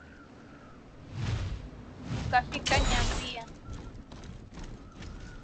Ukafika nyambia.